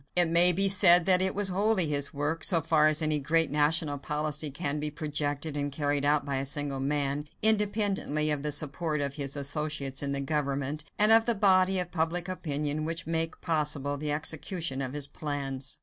It may be said that it was wholly his work, so far as any great national policy can be projected and carried out by a single man, independently of the support of his associates in the government and of the body of public opinion which make possible the execution of his plans.